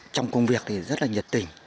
trong công việc thì rất là nhiệt tình